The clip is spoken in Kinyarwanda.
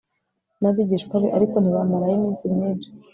n abigishwa be ariko ntibamarayo iminsi myinshi